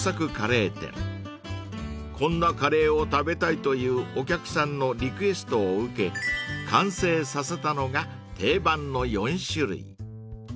［こんなカレーを食べたいというお客さんのリクエストを受け完成させたのが定番の４種類］